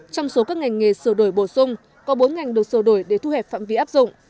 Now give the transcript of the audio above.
trong số các ngành nghề sửa đổi bổ sung có bốn ngành được sửa đổi để thu hẹp phạm vi áp dụng